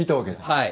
はい。